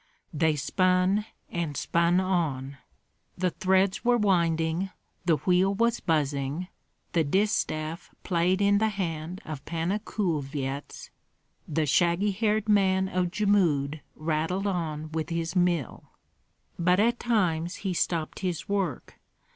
They spun and spun on; the threads were winding, the wheel was buzzing, the distaff played in the hand of Panna Kulvyets, the shaggy haired man of Jmud rattled on with his mill. But at times he stopped his work.